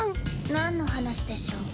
何の話でしょう？